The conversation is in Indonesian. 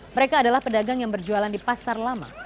mereka adalah pedagang yang berjualan di pasar lama